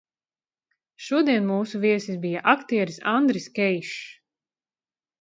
Šodien mūsu viesis bija aktieris Andris Keišs.